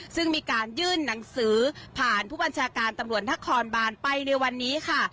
ซึ่งมีการยื่นหนังสือผ่านผู้บัญชาการตำรวจนครบานไปในวันนี้ค่ะ